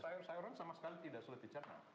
sayur sayuran sama sekali tidak sulit dicerna